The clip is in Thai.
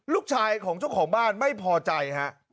ลูกชายของเจ้าของบ้านไม่พอใจฮะ